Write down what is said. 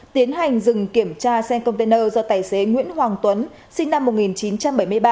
tiến hành dừng kiểm tra xe container do tài xế nguyễn hoàng tuấn sinh năm một nghìn chín trăm bảy mươi ba